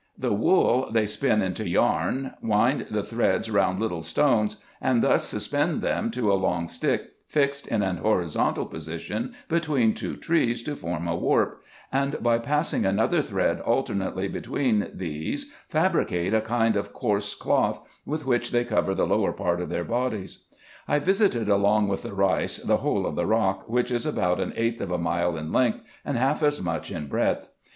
The wool they spin into yarn ; wind the threads round 88 RESEARCHES AND OPERATIONS little stones, and thus suspend them to a long stick fixed in an horizontal position between two trees, to form a warp; and by passing another thread alternately between these fabricate a kind of coarse cloth, with which they cover the lower part of their bodies. I visited along with the Eeis the whole of the rock, which is about an eighth of a mile in length, and half as much in breadth.